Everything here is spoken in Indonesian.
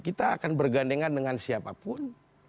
kita akan bergandengan dengan siapapun